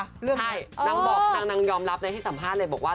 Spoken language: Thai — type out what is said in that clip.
ใช่นางยอมรับในที่สัมภาษณ์เลยบอกว่า